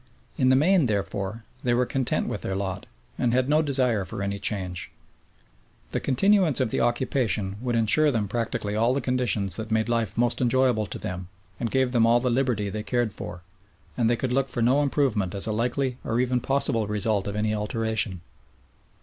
In the main, therefore, they were content with their lot, and had no desire for any change. The continuance of the occupation would ensure them practically all the conditions that made life most enjoyable to them and gave them all the liberty they cared for, and they could look for no improvement as a likely or even possible result of any alteration.